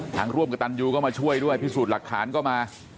ร่วมกับตันยูก็มาช่วยด้วยพิสูจน์หลักฐานก็มา